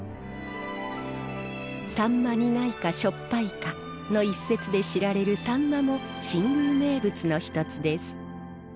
「さんま苦いかしょっぱいか」の一節で知られるさんまも新宮名物の一つです。